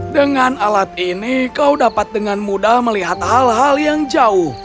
dengan alat ini kau dapat dengan mudah melihat hal hal yang jauh